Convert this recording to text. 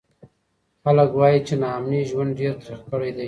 خلک وایي چې ناامني ژوند ډېر تریخ کړی دی.